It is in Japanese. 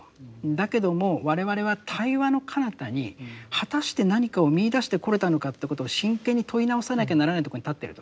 だけども我々は対話のかなたに果たして何かを見いだしてこれたのかってことを真剣に問い直さなきゃならないとこに立ってると。